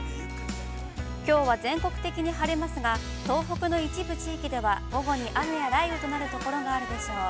きょうは全国的に晴れますが、東北の一部地域では午後に雨や雷雨となるところがあるでしょう。